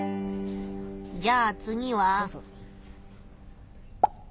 じゃあ次は？